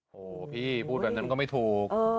โหพี่พูดแบบนั้นก็ไม่ถูก